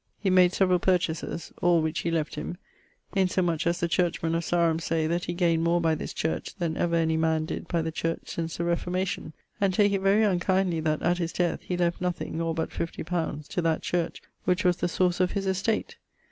He made severall purchases, all which he left him; insomuch as the churchmen of Sarum say, that he gained more by this church then ever any man did by the church since the Reformation, and take it very unkindly that, at his death, he left nothing (or but 50 li.) to that church which was the source of his estate.